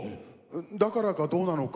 だからかどうなのか